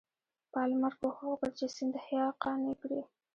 پالمر کوښښ وکړ چې سیندهیا قانع کړي.